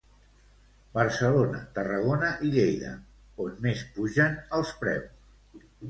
Barcelona, Tarragona i Lleida, on més pugen els preus.